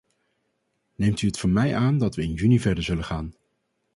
Neemt u het van mij aan dat we in juni verder zullen gaan.